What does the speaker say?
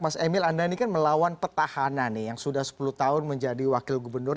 mas emil anda ini kan melawan petahana nih yang sudah sepuluh tahun menjadi wakil gubernur